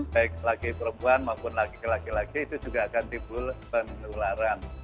baik laki perempuan maupun laki laki itu juga akan timbul penularan